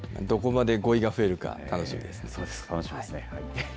どこまで語彙が増えるか、楽しみですね。